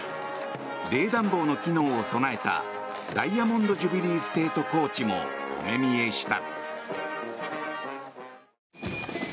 冷暖房の機能を備えたダイヤモンド・ジュビリー・ステート・コーチもお目見えした。